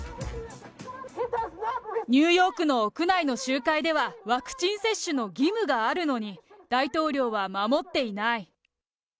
ニューヨークの屋内の集会では、ワクチン接種の義務があるのに、大統領は守っていない。